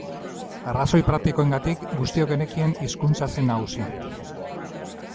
Arrazoi praktikoengatik guztiok genekien hizkuntza zen nagusi.